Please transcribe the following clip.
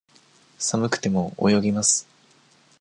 寒くても、泳ぎます。